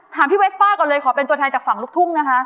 ถามพี่เวฟฟ้าก่อนเลยขอเป็นตัวแทนจากฝั่งลูกทุ่งนะคะ